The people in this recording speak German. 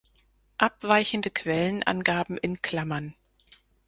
Abweichende Quellenangaben in Klammern.